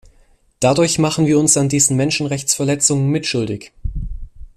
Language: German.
Dadurch machen wir uns an diesen Menschenrechtsverletzungen mitschuldig.